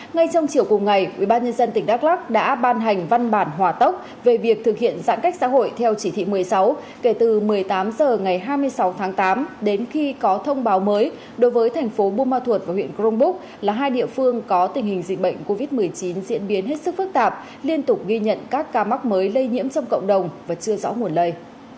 ngay trong chiều cùng ngày ubnd tỉnh đắk lắc đã ban hành văn bản hòa tốc về việc thực hiện giãn cách xã hội theo chỉ thị một mươi sáu kể từ một mươi tám h ngày hai mươi sáu tháng tám đến khi có thông báo mới đối với thành phố buôn ma thuột và huyện cronbúc là hai địa phương có tình hình dịch bệnh covid một mươi chín diễn biến hết sức phức tạp liên tục ghi nhận các ca mắc mới lây nhiễm trong cộng đồng và chưa rõ nguồn lời